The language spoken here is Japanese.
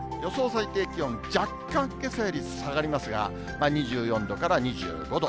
最低気温、若干けさより下がりますが、２４度から２５度。